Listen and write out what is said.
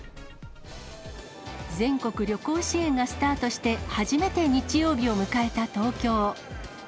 全国旅行支援がスタートして初めて日曜日を迎えた東京。